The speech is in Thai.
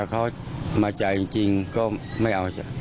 ก็พอจบกัน